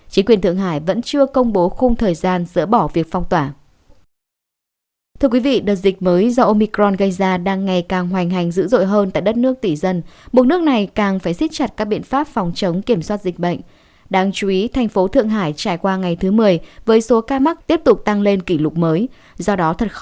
chính quyền thượng hải vẫn chưa công bố khung thời gian giữa bỏ việc phong tỏa